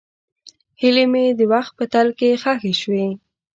هیلې مې د وخت په تل کې ښخې شوې.